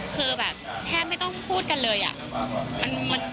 คือแบบแทบไม่ต้องพูดกันเลยอะ